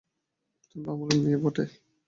তুমি ব্রাহ্মণের মেয়ে বটে?